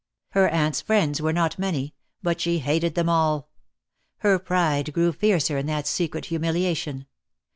Her aunt's friends were not many; but she hated them all. Her pride grew fiercer in that secret humiliation.